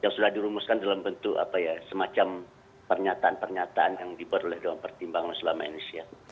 yang sudah dirumuskan dalam bentuk semacam pernyataan pernyataan yang dibuat oleh dewan pertimbangan maju sulamanya indonesia